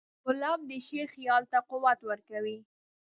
ګلاب د شاعر خیال ته قوت ورکوي.